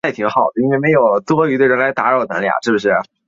新竹铁角蕨为铁角蕨科铁角蕨属下的一个种。